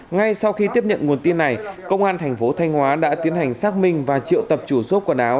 ngay sau khi tiếp nhận nguồn tin này công an tp thanh hóa đã tiến hành xác minh và triệu tập chủ sốt quần áo